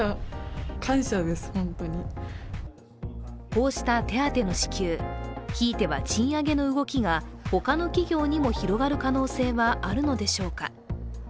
こうした手当の支給、ひいては賃上げの動きが他の企業にも広がる可能性はあるのでしょうか。